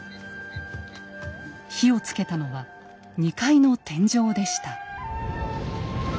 火をつけたのは２階の天井でした。